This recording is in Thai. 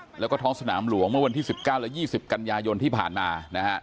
แล้วก็ท้องสนามหลวงเมื่อวันที่๑๙และ๒๐กันยายนที่ผ่านมานะฮะ